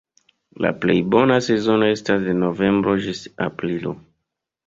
La plej bona sezono estas de novembro ĝis aprilo.